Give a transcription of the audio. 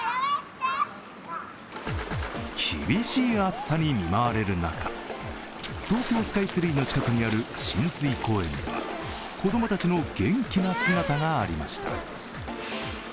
厳しい暑さに見舞われる中東京スカイツリーの近くにある親水公園では子供たちの元気な姿がありました。